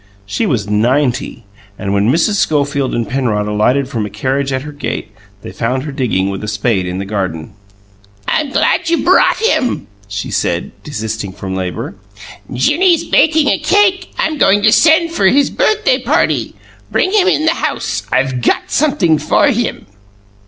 She was ninety, and when Mrs. Schofield and Penrod alighted from a carriage at her gate they found her digging with a spade in the garden. "I'm glad you brought him," she said, desisting from labour. "Jinny's baking a cake I'm going to send for his birthday party. Bring him in the house. I've got something for him."